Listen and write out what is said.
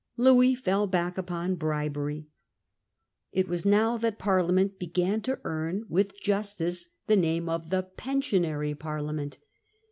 Louis fell back upon bribery. It was now that Parliament began to earn with justice the\i ame °f the 'Pensionary Parlia rionary*"" ment.